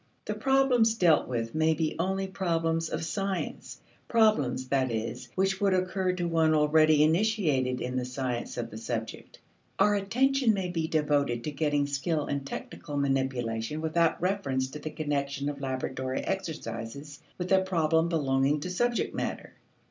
The problems dealt with may be only problems of science: problems, that is, which would occur to one already initiated in the science of the subject. Our attention may be devoted to getting skill in technical manipulation without reference to the connection of laboratory exercises with a problem belonging to subject matter.